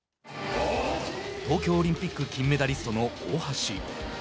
東京オリンピック金メダリストの大橋。